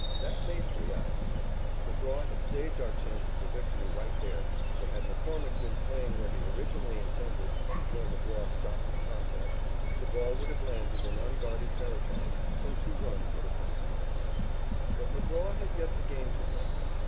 That made three outs. McGraw had saved our chances of victory right there, for had McCormick been playing where he originally intended before McGraw stopped the contest, the ball would have landed in unguarded territory and two runs would have been scored. But McGraw had yet the game to win.